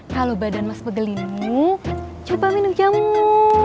kalau badan mas pegelindu coba minum jamu